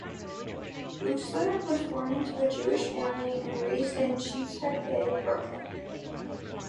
Boosler was born into a Jewish family and raised in Sheepshead Bay, Brooklyn.